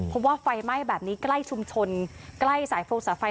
เพราะว่าไฟไหม้แบบนี้ใกล้ชุมชนใกล้สายโฟงสายไฟ